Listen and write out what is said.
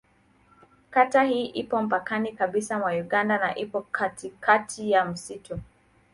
Kata hii ipo mpakani kabisa mwa Uganda na ipo katikati ya msitu.